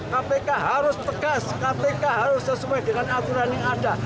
kpk harus tegas kpk harus sesuai dengan aturan yang ada